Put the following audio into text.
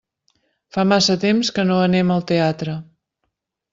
Fa massa temps que no anem al teatre.